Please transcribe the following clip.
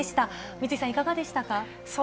三井さん、いかがでしたか？